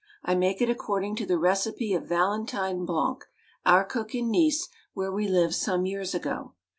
I make it according" ta the recipe of Valentine Blanc, our cook in Nice, where we lived some years ago.